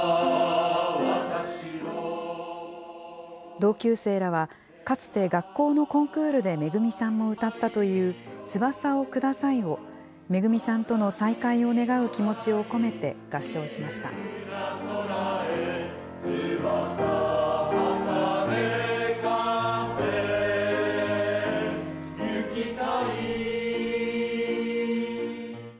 同級生らは、かつて学校のコンクールで、めぐみさんも歌ったという翼をくださいを、めぐみさんとの再会を願う気持ちを込めて合唱しました。